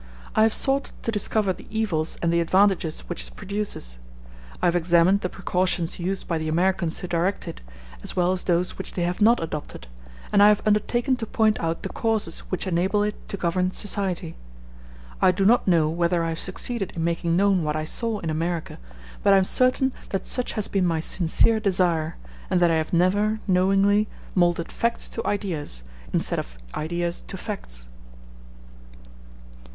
I have sought to discover the evils and the advantages which it produces. I have examined the precautions used by the Americans to direct it, as well as those which they have not adopted, and I have undertaken to point out the causes which enable it to govern society. I do not know whether I have succeeded in making known what I saw in America, but I am certain that such has been my sincere desire, and that I have never, knowingly, moulded facts to ideas, instead of ideas to facts.